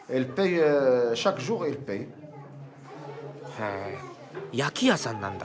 へぇ焼き屋さんなんだ。